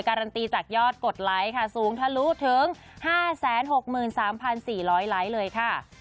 การันตีจากยอดกดไลค์ค่ะสูงทะลุถึง๕๖๓๔๐๐ไลค์เลยค่ะ